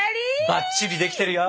ばっちりできてるよ！